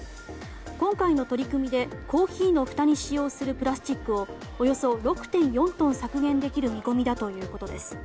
今回の取り組みでコーヒーのふたに使用するプラスチックをおよそ６．４トン削減できる見込みだということです。